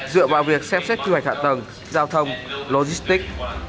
dựa vào việc xem xét kế hoạch hạ tầng giao thông logistic